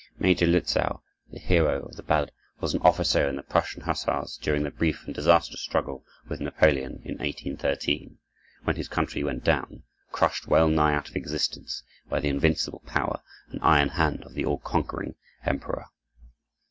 Major Lützow, the hero of the ballad, was an officer in the Prussian Hussars during the brief and disastrous struggle with Napoleon in 1813, when his country went down, crushed well nigh out of existence, by the invincible power and iron hand of the all conquering Emperor.